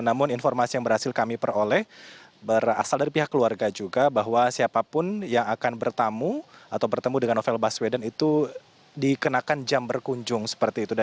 namun informasi yang berhasil kami peroleh berasal dari pihak keluarga juga bahwa siapapun yang akan bertamu atau bertemu dengan novel baswedan itu dikenakan jam berkunjung seperti itu